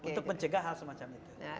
untuk mencegah hal semacam itu